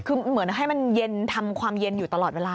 คือเหมือนให้มันเย็นทำความเย็นอยู่ตลอดเวลา